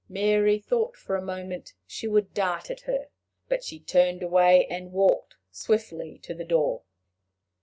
Mary thought for a moment she would dart at her. But she turned away, and walked swiftly to the door.